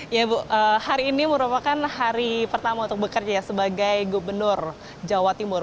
ya bu hari ini merupakan hari pertama untuk bekerja sebagai gubernur jawa timur